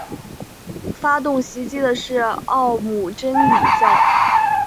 发动袭击的是奥姆真理教。